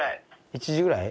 １時ぐらい？